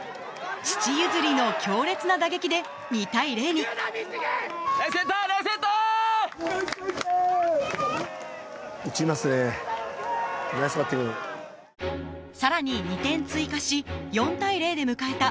父譲りの強烈な打撃で２対０にさらに２点追加し４対０で迎えた